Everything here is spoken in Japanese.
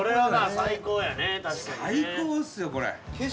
最高ですよこれ。